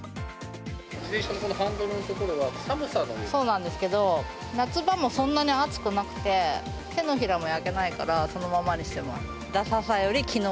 自転車のそのハンドルの所は、そうなんですけど、夏場もそんなに暑くなくて、手のひらも焼けないからそのままにしてます。